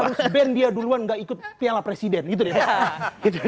kita harus ban dia duluan gak ikut piala presiden gitu deh pak